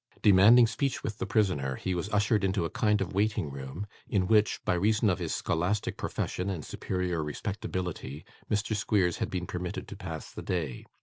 Demanding speech with the prisoner, he was ushered into a kind of waiting room in which, by reason of his scholastic profession and superior respectability, Mr. Squeers had been permitted to pass the day.